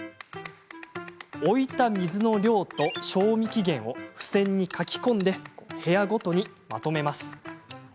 置いた水の量と賞味期限を付箋に書き込んで部屋ごとにまとめます。